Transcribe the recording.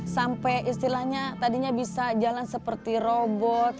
sampai istilahnya tadinya bisa jalan seperti robot